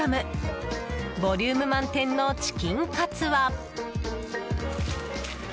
ボリューム満点のチキンカツは。